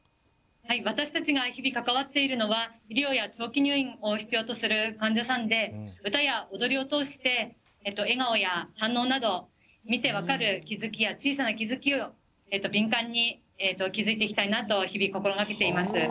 私たちが日々関わっているのは医療や長期入院を必要とする患者さんで歌や踊りを通して笑顔や反応など見て分かる気付きや小さな気付きを敏感に気付いていきたいなと日々心がけています。